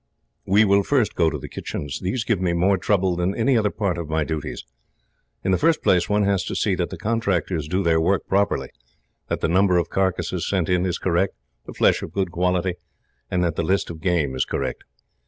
"We will first go to the kitchens. These give me more trouble than any other part of my duties. In the first place, one has to see that the contractors do their work properly, that the number of carcases sent in is correct, the flesh of good quality, and that the list of game is correct.